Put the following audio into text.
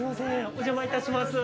お邪魔いたします。